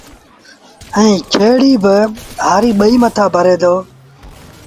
ائيٚݩ کيڙيٚ با هآريٚ ٻئيٚ مٿآ ڀري دو